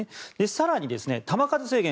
更に、球数制限